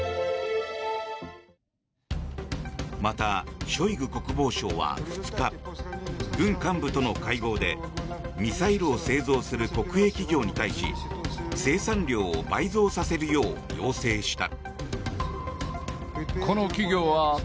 また、ショイグ国防相は２日軍幹部との会合でミサイルを製造する国営企業に対し生産量を倍増させるよう要請した。